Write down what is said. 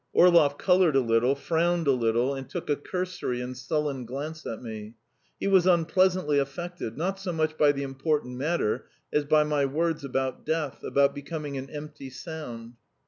Orlov coloured a little, frowned a little, and took a cursory and sullen glance at me. He was unpleasantly affected, not so much by the "important matter" as by my words about death, about becoming an empty sound.